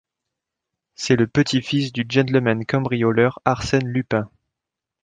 C'est le petit-fils du gentleman-cambrioleur Arsène Lupin.